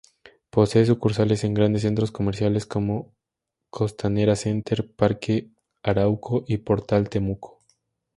Posee sucursales en grandes centros comerciales como Costanera Center, Parque Arauco y Portal Temuco.